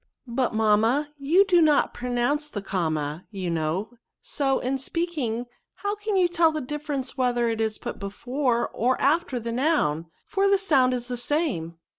" But, mamma, you do not pronounce the comma, you know ; so, in speaking, how can you tell the difference whether it is put before or after the noun, for the sound is the same